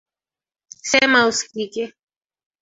Sema usikike.